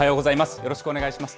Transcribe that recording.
よろしくお願いします。